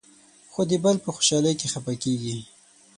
خو د بل په خوشالۍ کې خفه کېږي.